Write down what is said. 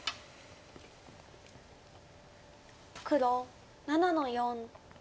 黒７の四。